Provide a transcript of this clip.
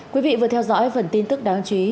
quý vị vừa theo dõi phần tin tức đáng chú ý